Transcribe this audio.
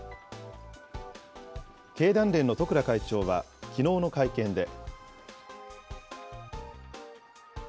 経団連の十倉会長はきのうの会見で。